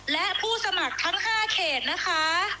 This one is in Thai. และผู้สมัครทั้ง๕เขตนะคะ